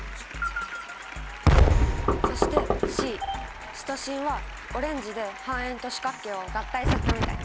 そしてＣシトシンはオレンジで半円と四角形を合体させたみたい。